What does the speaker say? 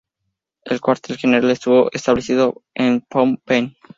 El cuartel general estuvo establecido en Phnom Penh.